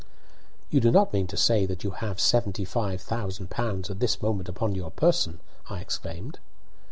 "You do not mean to say that you have seventy five thousand pounds at this moment upon your person?" I exclaimed.